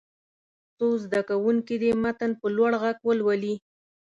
څو زده کوونکي دې متن په لوړ غږ ولولي.